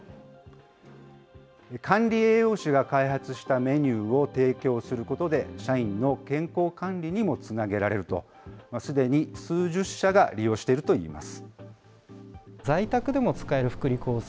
管理栄養士が開発したメニューを提供することで、社員の健康管理にもつなげられると、すでに数十社が利用しているといいます。